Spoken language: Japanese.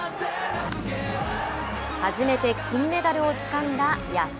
初めて金メダルをつかんだ野球。